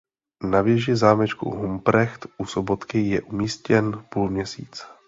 Na věži zámečku Humprecht u Sobotky je umístěn půlměsíc.